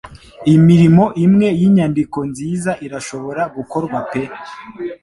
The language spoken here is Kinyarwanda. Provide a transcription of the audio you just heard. Imirimo imwe yinyandiko nziza pe irashobora gukorwa pe